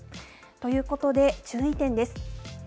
ということで、注意点です。